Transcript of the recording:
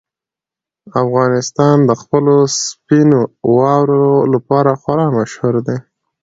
افغانستان د خپلو سپینو واورو لپاره خورا مشهور دی.